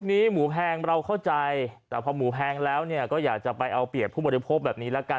หมูแพงเราเข้าใจแต่พอหมูแพงแล้วเนี่ยก็อยากจะไปเอาเปรียบผู้บริโภคแบบนี้ละกัน